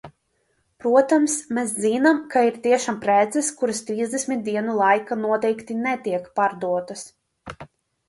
Protams, mēs zinām, ka ir tiešām preces, kuras trīsdesmit dienu laikā noteikti netiek pārdotas.